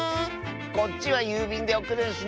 こっちはゆうびんでおくるんスね！